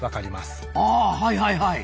ああはいはいはい。